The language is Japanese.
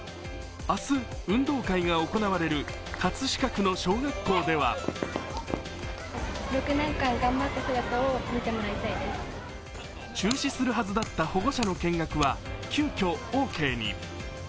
明日、運動会が行われる葛飾区の小学校では中止するはずだった保護者の見学は急きょオーケーに。